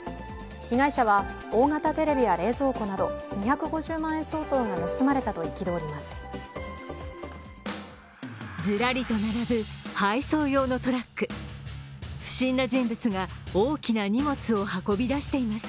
被害者は大型テレビや冷蔵庫など２５０万円相当が盗まれたと憤ります。